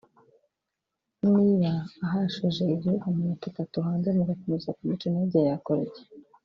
Niba ahasheje igihugu amanota atatu hanze mugakomeza kumuca intege yakora iki